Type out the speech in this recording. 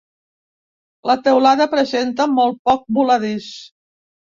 La teulada presenta molt poc voladís.